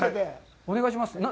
お願いします。